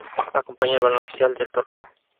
Lo acompaña el balón oficial del torneo.